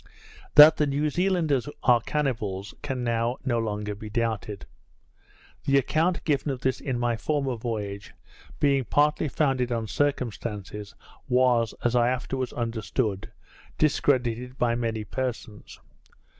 That the New Zealanders are cannibals, can now no longer be doubted. The account given of this in my former voyage, being partly founded on circumstances, was, as I afterwards understood, discredited by many persons.